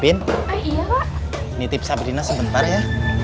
pin nitip sabrina sebentar ya